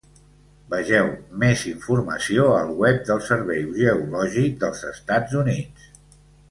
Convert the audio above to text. Vegeu més informació al web del Servei Geològic dels Estats Units.